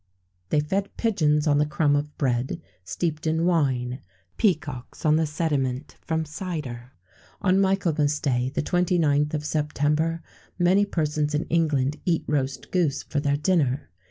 They fed pigeons on the crumb of bread, steeped in wine; peacocks on the sediment from cider. On Michaelmas Day, the 29th of September, many persons in England eat roast goose for their dinner.